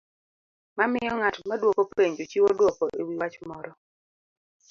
mamiyo ng'at maduoko penjo chiwo dwoko e wi wach moro.